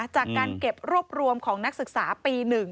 จากการเก็บรวบรวมของนักศึกษาปี๑